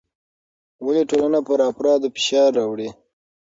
ولې ټولنه پر افرادو فشار راوړي؟